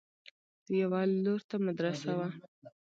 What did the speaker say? يوه لور ته مدرسه وه.